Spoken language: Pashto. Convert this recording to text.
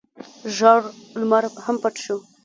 ژړ لمر هم پټ شو.